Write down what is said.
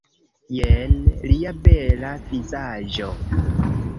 Jen lia bela vizaĝo